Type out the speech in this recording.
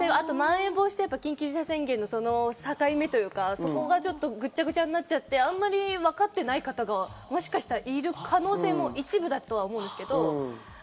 あと、まん延防止と緊急事態宣言の境目がぐっちゃぐちゃになっちゃって、あんまりわかってない方がもしかしたらいる可能性も一部だとは思うんですけど。